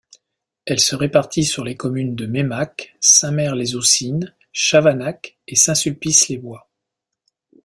Elle se répartit sur les communes de Meymac, Saint-Merd-les-Oussines, Chavanac et Saint-Sulpice-les-Bois.